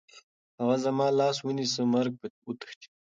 که هغه زما لاس ونیسي، مرګ به وتښتي.